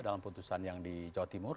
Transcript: dalam putusan yang di jawa timur